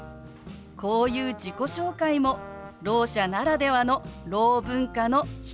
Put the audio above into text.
こういう自己紹介もろう者ならではのろう文化の一つなんです。